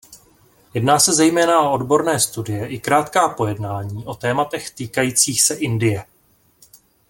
Jedná se zejména o odborné studie i krátká pojednání o tématech týkajících se Indie.